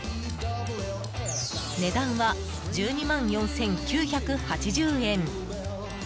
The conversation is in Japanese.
値段は１２万４９８０円。